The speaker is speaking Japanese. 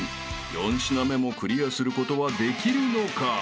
［４品目もクリアすることはできるのか］